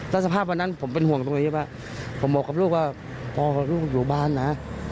แล้วสภาพวันนั้นผมเป็นห่วงตรงนี้ว่าผมบอกกับลูกว่าพ่อลูกอยู่บ้านนะ